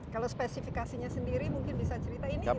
kalau spesifikasinya sendiri mungkin bisa cerita ini modelnya apa